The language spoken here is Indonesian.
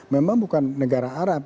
memang bukan negara arab